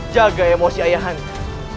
jaga emosi ayah anda